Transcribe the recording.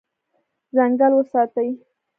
ځنګل وساتئ.